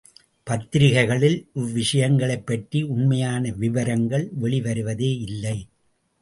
பத்திரிகைகளில் இவ்விஷயங்களைப் பற்றி உண்மையான விவரங்கள் வெளிவருவதேயில்லை.